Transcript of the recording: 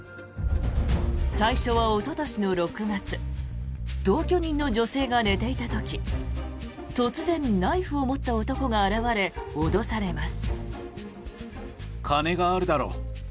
最初はおととしの６月同居人の女性が寝ていた時突然、ナイフを持った男が現れ脅されます。